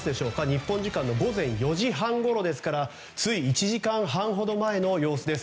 日本時間の午前４時半ごろですからつい１時間半ほど前の様子です。